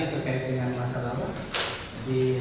tapi penetapan sudah selesai tanggal lima november